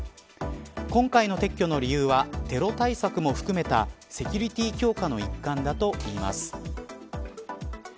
今回の撤去の理由はテロ対策も含めたセキュリティー強化の一環だといいます。